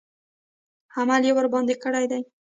عمل یې ورباندې کړی دی.